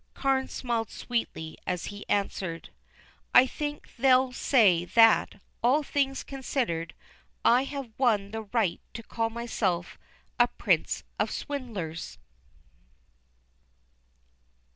Carne smiled sweetly as he answered: "I think they'll say that, all things considered, I have won the right to call myself 'A Prince of Swindlers.